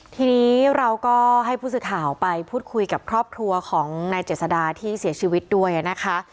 ทีนี้เราก็ให้ผู้สื่อข่าวไปพูดคุยกับครอบครัวของนายเจษดาที่เสียชีวิตด้วยนะคะ